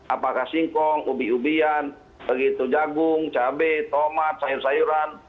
apakah singkong ubi ubian begitu jagung cabai tomat sayur sayuran